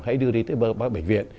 hãy đưa đi tới bệnh viện